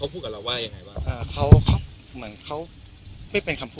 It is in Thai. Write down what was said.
พูดอย่างนี้ตลอดทางที่ผมไปส่งเขาครับ